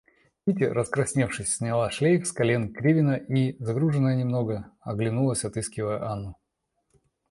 Кити, раскрасневшись, сняла шлейф с колен Кривина и, закруженная немного, оглянулась, отыскивая Анну.